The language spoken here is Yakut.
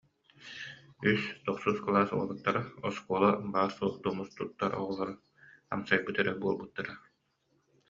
Үс тохсус кылаас уолаттара, оскуола баар-суох тумус туттар оҕолоро, амсайбыт эрэ буолбуттара